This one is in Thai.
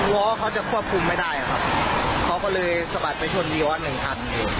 ้อเขาจะควบคุมไม่ได้ครับเขาก็เลยสะบัดไปชนวีออสหนึ่งคัน